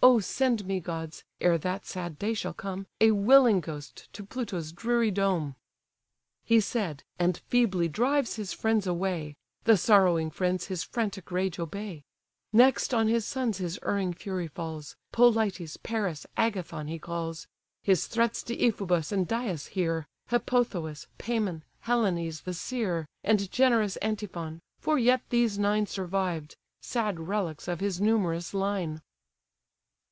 O send me, gods! ere that sad day shall come, A willing ghost to Pluto's dreary dome!" He said, and feebly drives his friends away: The sorrowing friends his frantic rage obey. Next on his sons his erring fury falls, Polites, Paris, Agathon, he calls; His threats Deiphobus and Dius hear, Hippothous, Pammon, Helenes the seer, And generous Antiphon: for yet these nine Survived, sad relics of his numerous line.